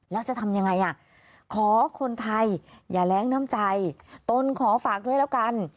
แล้วจะทำยังไงอ่ะขอคนไทยอย่าแรงน้ำใจตนขอฝากด้วยแล้วกัน